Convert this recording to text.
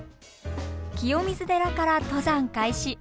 清水寺から登山開始。